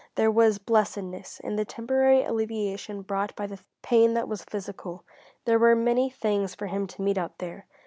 There was blessedness in the temporary alleviation brought by the pain that was physical. There were many things for him to meet out there.